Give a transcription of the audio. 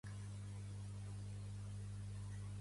Quants fills es creu que van engendrar?